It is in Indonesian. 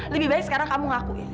lebih baik sekarang kamu ngaku ya